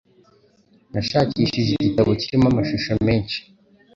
Nashakishije igitabo kirimo amashusho menshi.